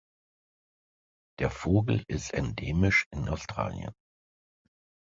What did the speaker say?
Der Vogel ist endemisch in Australien.